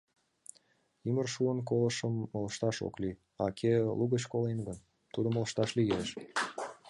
— Ӱмыр шуын колышым ылыжташ ок лий, а кӧ лугыч колен гын, тудым ылыжташ лиеш.